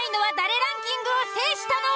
ランキングを制したのは。